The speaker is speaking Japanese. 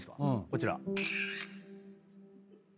こちら。